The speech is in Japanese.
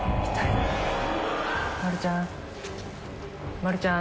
まるちゃん？